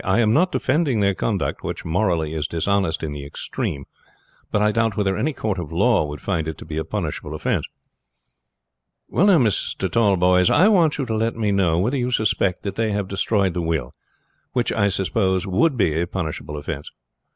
I am not defending their conduct, which morally is dishonest in the extreme, but I doubt whether any court of law would find it to be a punishable offense." "Well, now, Mr. Tallboys, I want you to let me know whether you suspect that they have destroyed the will; which, I suppose, would be a punishable offense."